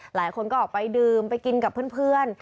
หลายคนก็ออกไปดื่มไปกินกับเพื่อน